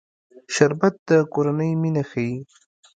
شربت د کورنۍ مینه ښيي